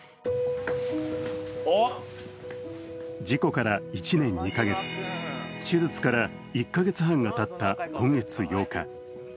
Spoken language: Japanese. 事故から１年２カ月、手術から１カ月半がたった今月８日。